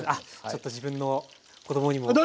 ちょっと自分の子どもにも。